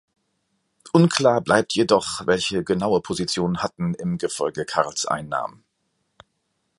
Unklar bleibt jedoch, welche genaue Position Hutten im Gefolge Karls einnahm.